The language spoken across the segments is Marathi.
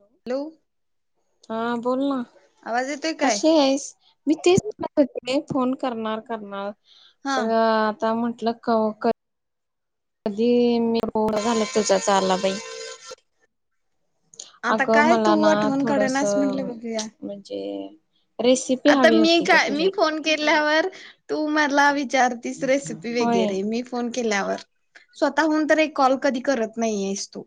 हॅलो हा बोल ना आवाज येतोय काय? कशी आहेस मी तेच म्हणत होते. फोन करणार करणार हा त आता म्हटलं कवा क कधी मी बोर झले तुझाचा आला बाई आता अगं काय तू मला ना आठवण थोडस काढनास म्हटलं बघूया म्हजे आता मी काय मी फोन केल्यावर तू मला विचारतीस रेसिपी होय वगैरे मी फोन केलावर स्वतःहून तर एक कॉल कधी करत नायेस तू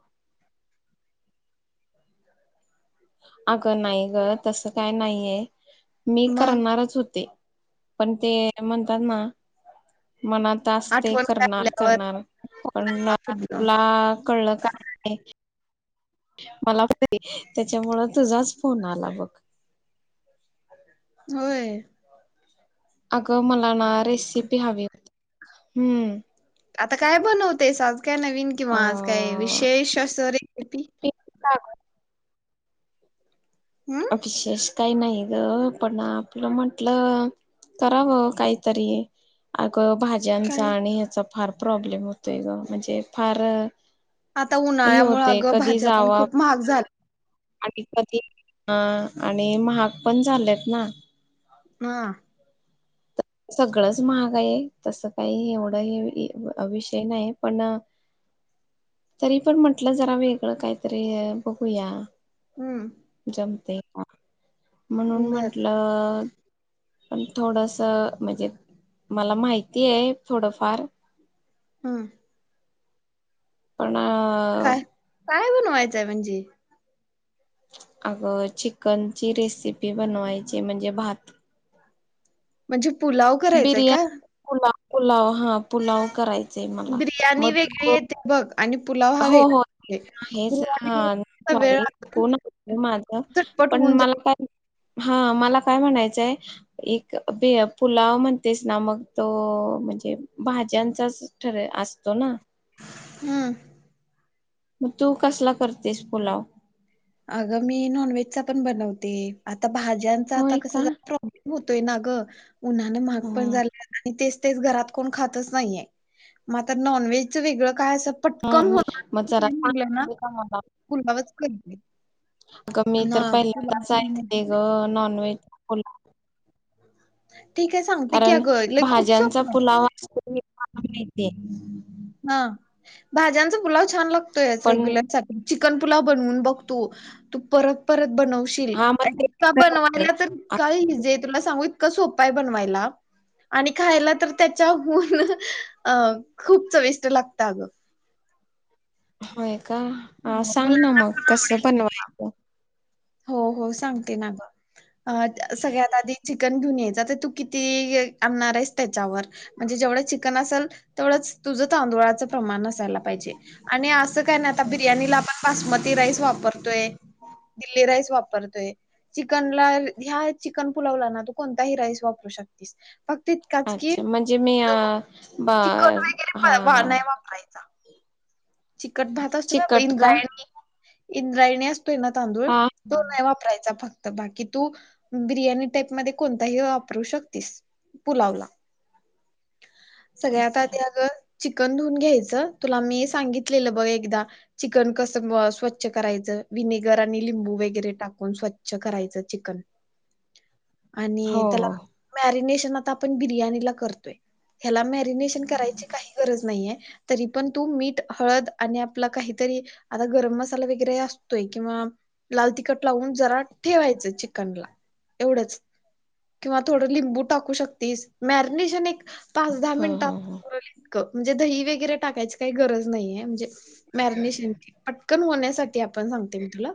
अगं नाही ग तसं काय नाहीये. मी मग करणारच होते. पण ते म्हणतात ना मनात असते आठवण करणार काढल्यावर करणार पण आता फुटलं तुला कळलं का मला पण [unintelligible] त्याच्यामुंळ तुझाच फोन आला बघ. होय. अगं मल ला ना रेसिपी हवी होती. हूं आता काय बनवतेस आज काय नवीन किंवा आज काय विशेष अस रेसिपी हम्म अभिशेष काही नाही ग पण आपलं म्हटलं करावं काहीतरी आत भाज्यांचा काय आणि ह्याचा फार प्रॉब्लेम होतोय ग म्हणजे फार आता हे उन्हाळ्यामुळे होते अगं भाज्या पण खूप महाग झाल् [inaudible] हा आणि महाग पण झाल्यात ना. हा सगळच महाग आहे तसं काही एवढं हे विषय नाही पण तरी पण म्हटलं जरा वेगळं काहीतरी बघूया. हूं जमतय हा म्हणून बर म्हंटलं पण थोडस म्हणजे मला माहिती आहे थोडंफार हम्म अम काय काय बनवायचंय म्हणजे? अगं चिकनची रेसिपी बनवायची म्हणजे भात म्हणजे पुलाव करायचाय का? बिर्याणी पुलाव पुलाव हा पुलाव करायचा बिर्याणी वेगळी येते बघ आणि पुलाव हा हो वेगळा हो येते. आहे बिर्याणीला जास्त वेळ सॉरी हो न माझ आणि झटपट पण होऊन मला जाईल काय हा मला काय म्हणायचंय एक पुलाव म्हणतेस ना मग तो म्हणजे भाज्यांचाच ठर असतो ना हम्म मग तू कसला करतेस पुलाव? अगं मी नॉनव्हेजचा पण बनवते आता भाज्यांचा आता होय कस का? प्रॉब्लेम होत तो ना ग उन्हाने महाग पण हम्म. झाले आणि तेच तेच घरात कोण खातच नाहीये मग आता नॉनव्हेज वेगळ काय असं पटकन होत मग जरा निलं ना सांग का पुलावच कर अग मी तर पहिल्या त असं ऐकते ग बनवायचा. नॉनव्हेज हॅलो ठीक आहे सांगते की कारण अगं लय खूप भाज्यांचा सोपं आहे पुलावा अस [unintelligible] [inaudible] हा भाज्यांचा पुलाव छान लागतोय पण रेग्युलर साठी चिकनपुलाव बनवून बघतो तू तू परत परत बनवशील हा मग आणि ते का बनवायला तर आ, काय इझी तुला सांगू इतक सोपाय बनवायला आणि खायला तर त्याच्याहून हा हा खूप चवीस्ट लागत अगं होय का आ सांग ना मुलांना मग पण कसं आवडेल बनवायचं हो हो सांगते ना ग अ सगळ्यात आधी चिकन घेऊन यायचं आता तू किती आणणार आहेस त्याच्यावर म्हणजे जेवढे चिकन असेल तेवढेच तुझं तांदुळाचे प्रमाण असायला पाहिजे आणि अस तब बिर्याणीला आपण बासमती राईस वापर दिल्ली राईस वापर पर ते चिकनला ह्या चिकन पुलावला ना तू कोणताही राईस वापरू शकतीस फक्त तितकाच कि अच्छा म्हणजे मी अ तो ब चिकट हा वगैरे नाही वापरायचा. चिकट भात असतो बाबा चिकट का? इंद्रायणी इंद्रायणी आस तोय ना तांदूळ हा तो नाही वापरायचा फक्त तर बाकी तू बिर्याणी टाईप मधे कोणताही वापरू शकतीस पुलावला सगळ्यात अच्छा आधी अगं चिकन धुन घ्यायचं तुला मी सांगित लेलं बघ एकदा चिकन कस स्वच्छ करायचं विनेगर आणि लिंबू वगैरे टाकून स्वच्छ करायचं चिकन हो आणि त्याला हो. मॅरीनेश ते म आता आपण बिर्याणीला करतोय? ह्याला मॅरिनेशन करायची काही गरज नाहीये. तरी पण तू मीठ. हळद आणि आपला काहीतरी आता गरम मसाला वगैरे असतोय किंवा लाल तिखट लावून जरा ठेवायचं चिकनला एवढंच किंवा थोडं लिंबू टाकू शकतीस मॅरिनेशन एक पाच दहा हम्म हम्म मिनिटात हम्म उरलीच क म्हणजे दही वगैरे टाकायची काय गरज नाही आहे मॅरीनेशन पटकन होण्यासाठी आपण सांगते मी तुला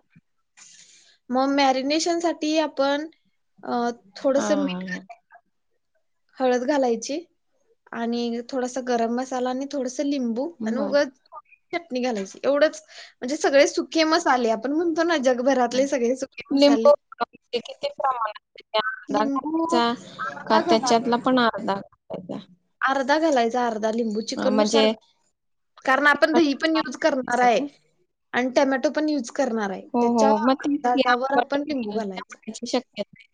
म मॅरिनेशनसाठी ती आपण अ हा थोडस मीठ हा हा घालायचं. हळद घालायची आणि थोडस गरम मसाला आणि थोडस च लिंबू आणि बर उगच थो चटणी घालायची एवढंच म्हणजे सगळे सुखे मसाले आपण म्हणतो ना जगभरातले सगळे सुखे मसाले काय अर्धा लिंबू घालायचा का अर्धा घाला त्याच्यातला पण अर्धा अर्धा अर्धा घालायचा अर्धा जरा लिंबू चिकन नुसार म्हणजे कारन आपण तिखट दहि पण युज करनार असं हाय का टॅमॅटो पण यूज करणार आहे हो हो त्याच्या मग तेच की अंदजावर आंबट आपण लिंबू घालायच. होण्याची शक्यता आहे.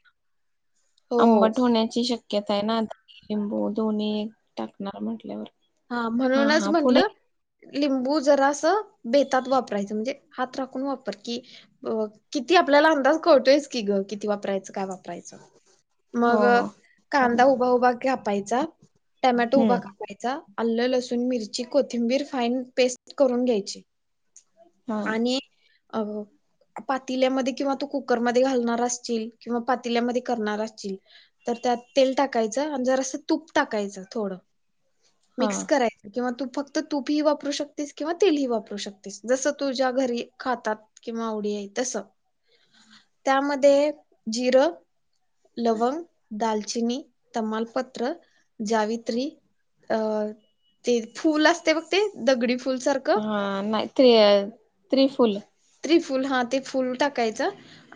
हो आंबट होण्याची शक्य कसं हाय ना आ लिंबू दोन्ही एक टाकणार म्हटल्यावर हा म्हणूनच हा पुढे म्हटलं लिंबू जरासं बेतात वापरायचं म्हणजे हात राखून वापर की अ किती आपल्याला अंदाज कळतोयस की गं किती वापरायचं काय वाप परायचा हो मगं हो कांदा चालेल. उभा-उभा कापायचा टामॅटो उभा हम्म कापायचा आल्लं, लसूण, मिरची, कोथिंबीर फाईन पेस्ट करून घ्यायची. हा आणि अ पातील्यामध्ये किंवा तो कुकरमध्ये घालणार असतील किंवा पातील्यामध्ये करणार असतील तर त्यात तेल टाकायचं आणि जर सा तूप टाकायचं थोडं हा मिक्स करायचा किंवा तू फक्त तूप ही वापरू शकतेस किंवा तेल ही वापरू शकतेस जसं तुझ्या घरी खातात किंवा आवडी आहे तसं त्यामध्ये जिरं, लवंग, दालचिनी, तमालपत्र, जावित्री अ ते फूल असते बघ ते दगडी फू हा नाही ते त्रिफुल त्रिफुल हा ते फुल टाकायचा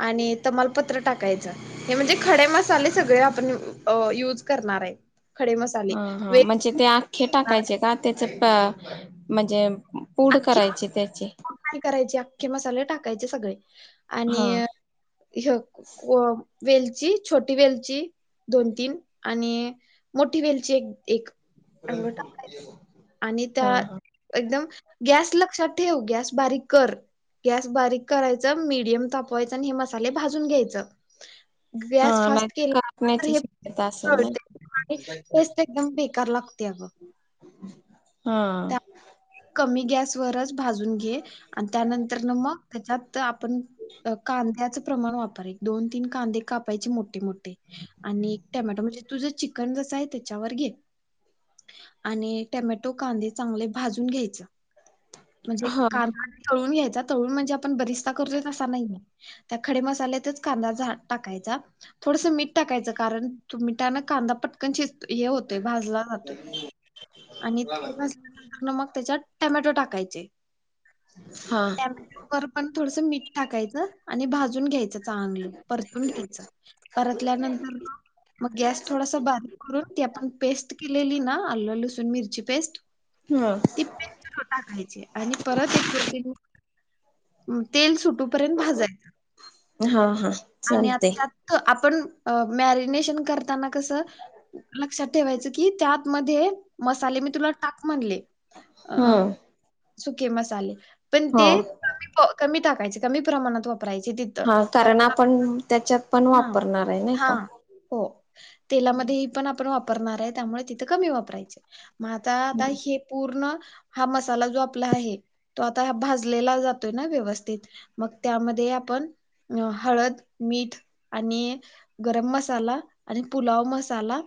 आणि तमालपत्र टाकायचा हे म्हणजे खडे मसाले सगळे आपण अ युज करणार आहेत. खडे मसाले वे खे टाकायचे का त्याचा हा म्हणजे पूढ करायचे त्याचे की मसाले टाकायचे सगळे हा आणि ह्य को वेलची छोटी वेलची दोन-तीन आणि मोठी वेलची एक, एक एवढ टांग आहे आणि हा हा त्यात एकदम गॅस लक्षात ठेव गॅस बारीक कर, गॅस बारीक करायच मीडियम तापवायचे आणि हे मसाले भाजून घ्यायचं गॅस हा नाही फास्ट तर कापण्याची शक्यता असेल ना केल्यांत [inaudible] टेस्ट एकदम बेकार लागते अगं हा कमी गॅसवररच भाजून घे आणि त्यानंतर ना मग त्याच्यात तर आपण कांद्याचा प्रमाण वापरे दोन-तीन कांदे कापायचे मोठे-मोठे आणि टॉमेटो म्हणजे तुझं चिकन जसं हाय तेच्यावर घे आणि टॉमेटो कांदे चांगले भाजून जून घ्यायचं म्हणजे हा कारखने चळून घ्या त्या म्हणजे आपण बरिस्ता अस नाही त्या खडे मसाल्यातच कांदा टाकाचा थोडस मीठ टाकाय कारण मिठान कांदा पटकन शिजत हे होतय भाजला जातोय आणि ते भाजल्यानंतर ना मग त्याच्यात टमॅटो टाकायचे हा टामॅटो वर पण थोडस मीठ टाकायचं आणि भाजून घ्यायचं चांगल परतून घ्यायच परतल्यानंतर मग-मग गॅस थोडासा बारीक करून ती आपन पेस्ट केलेली ना आल्लं, लसूण चन मिरची पेस्ट हा [unintelligible] तेल सुटू पर्यंत भाजायचं हा हा आणि चालते आत्ता तं आपण अ मॅरिनेशन करताना कसं लक्षात ठेवायचं की त्या मध्ये मसाले मी तुला टाक म्हनले ह! हम्म सुके मसाले पण हो ते क कमी टाक कमी प्रमाणात वाप हा कारण आपण त्याच्यात पण वापरणार आहे नाही का ह-हा-हो तेलामध्ये हे पण आपण वापरणार आहे त्यामुळे कमी वापरायचे. म आता आता हे पूर्ण हा मसाला जो आपला आहे तो आता भाजलेला जातोय ना व्यवस्थित. मग त्यामध्ये आपण हळद, मीठ आणि गरम मसाला आणि पुलाव मसाला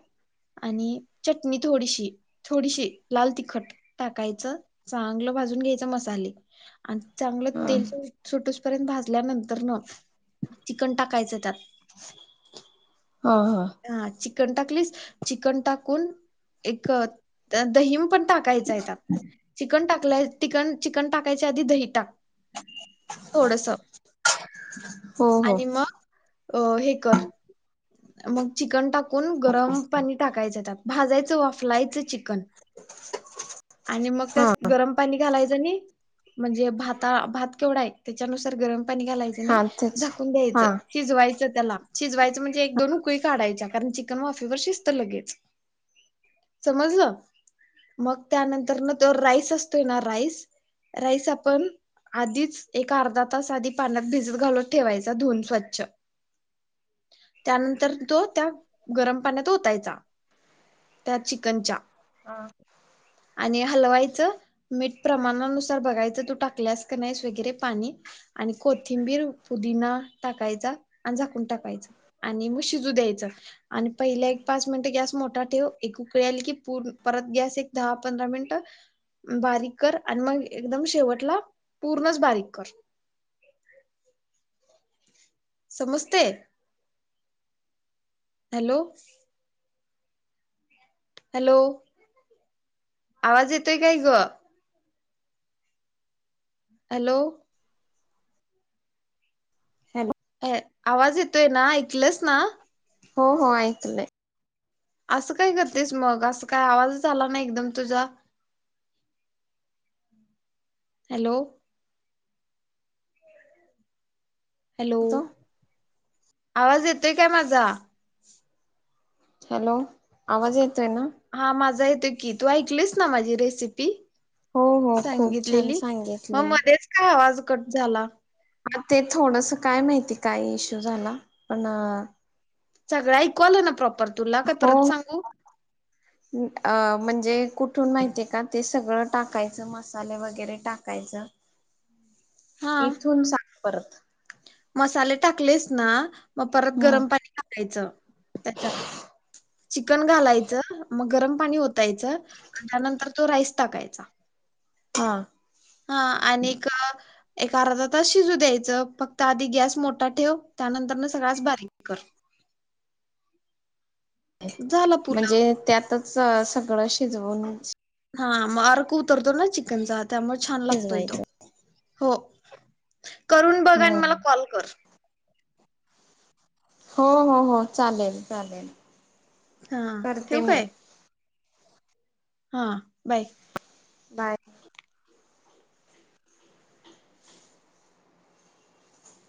आणि चटणी थोडीशी-थोडीशी लाल तिखट टाकायचं. चांगलं भाजून घ्यायच मसाले. आणि चांगलं ह तेल सुटस र्यंत भाजल्यानंतर नं चिकन टाकायचं त्यात. हा हा! कन टाकलीस? चिकन टाकून एक त्यात दही टाकायचाय त्यात चिकन टाक लय तीकन चिकन टाकायच्या आधी दही टाक. तोडसं [inaudible] आणि मग अ हे कर मग चिकन टाक कून गरम पाणी टाकायचं त्या. भाजायचं वाफलायचं चिक कन आणि मग हा त्यात गरम पाणी घालायाचं म्हणजे भाता भात केवडाय त्याच्यानुसार गरम पाणी घालायचं आणि हा तेच झाकून घ्यायचं हा शिजवायचं त्याला शिजवायचं म्ह एक दोन उकळी काढायच्या कारण चिकन वाफीवर शिस्त लगेच. समजलं? मग त्यानंतर नं तो राईस असतोय ना राईस राईस. राईस आपण आधीच एका अर्धा तास आधी पाण्यात भिजत घालत ठेवायचा धुन स्वच्छ. त्यानंतर तो त्या गरम पाण्यात ओतायचा. त्या चिकनच्या हा. आणि हलवायचं. मीठ प्रमाणानुसार बघायचं. तू टाकल्यास काय नाहीस वगैरे पाणी आणि कोथिंबीर पुदीना टाकायचा आणि झाकून टाकायचं. आणि मग शिजू द्यायचं. आणि पहिले एक पाच मिनिट गॅस मो टा ठेव. एक उकळी आली की पूर परत गॅस एक दहा पंधरा मिनिटं बारीक कर आणि मग एकदम शेवटला पूर्णच बारीक कर. समस्तय हॅलो! हॅलो! आवाज येतोय काय गं? हॅलो! हॅलो! आवाज येतोय ना? ऐकलंस ना? हो हो ऐकलंय. असं काय करतेस मग, असं काय आवाज आला नाइ एकदम तुझा. हॅलो! हॅलो! तो आवाज येतोय काय माझा? हॅलो! आवाज येतोय ना? हा माझा येतोय की तू ऐकलीस ना माझी रेसिपी? हो हो खूप छान सांगितलेली मग सांगितले मध्येच काय आवाज कट झाला. आ ते थोडसं काय माहिती? काय इश्यू झाला पण सगळं ऐकू आलं ना प्रॉपर? तुला काय हो! परत सांगू अं म्हण जे कुठून माहितय का? ते सगळं टाकायचं मसाले वगैरे टाकायचं हा इथून सांग परत मसाले टाकलेस ना? मग परत हम्म गरम पाणी घालायचं, त्याच्यात चिकन घालायचं, मग गरम पाणी ओत. यच आणि त्यानंतर तो राईस टाकायचा. अच् हा! हा आणिक एक अर्धा तास शिजू द्यायचं. फक्त आधी गॅस मोठा ठेव. त्यानंतर नं सगळचं बारीक कर. झाला पुलाव म्हणजे त्यात तरच सगळं शिजवून हा मग अर्क उतरतो ना चिकनचा त्यामुळे छान लागतोय तो. शिजवायचं. हो. करून बघ आणि मला हो कॉल कर. हो हो हो चालेल चालेल. हा करते ठिव मी काय? हा बाय. बाय.